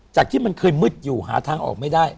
ที่มันเคยมืดอยู่หาทางออกไม่ได้